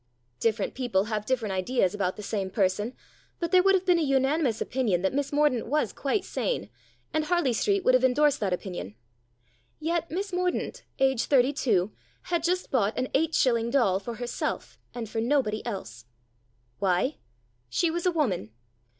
Different people have different ideas about the same person, but there would have been a unanimous opinion that Miss Mordaunt was quite sane, and Harley Street would have endorsed that opinion. Yet Miss Mordaunt, aged thirty two, had just bought an eight shilling doll for herself and for nobody else. Why ? She was a woman.